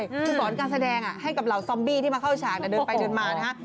คือสอนการแสดงให้กับเหล่าซอมบี้ที่มาเข้าฉากแต่เดินไปเดินมานะฮะ